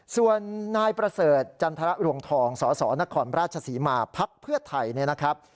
ส่วนนายประเสริฐจันทรรวงทองสสนครราชศรีมาพักเพื่อไทยเนี่ยนะครับ